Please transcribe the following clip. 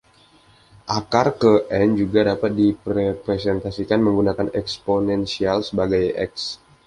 Akar ke-"n" juga dapat direpresentasikan menggunakan eksponensial sebagai "x".